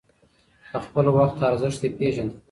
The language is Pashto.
د خپل وخت ارزښت يې پېژانده.